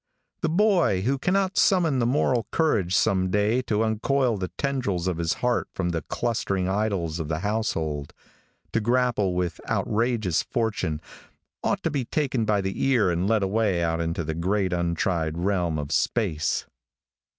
The boy who cannot summon the moral courage some day to uncoil the tendrils of his heart from the clustering idols of the household, to grapple with outrageous fortune, ought to be taken by the ear and led away out into the great untried realm of space.